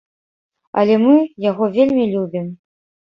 Але мы яго вельмі любім.